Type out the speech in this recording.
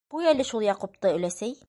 - Ҡуй әле шул Яҡупты, өләсәй!